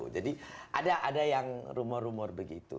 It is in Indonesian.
jadi ada yang rumor rumor begitu